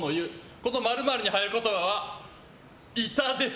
この○○に入る言葉は板です。